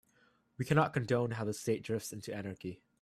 We cannot condone how the state drifts into anarchy.